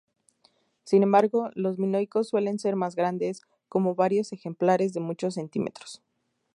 Sin embargo, los minoicos suelen ser más grandes, como varios ejemplares de muchos centímetros.